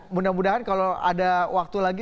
mudah mudahan kalau ada waktu lagi